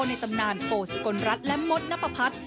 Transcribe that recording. ในตำนานโฟล์สุกลรัศน์และมดนปภัทร